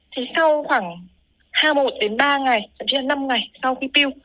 thì sau khoảng hai ba ngày chứ là năm ngày sau khi piu